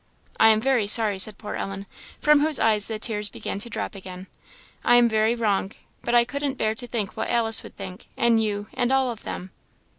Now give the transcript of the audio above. "I am very sorry," said poor Ellen, from whose eyes the tears began to drop again "I am very wrong: but I couldn't bear to think what Alice would think and you and all of them."